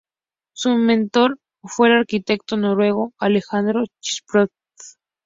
Su mentor fue el arquitecto noruego Alejandro Christophersen.